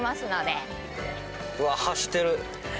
うわっ走ってる！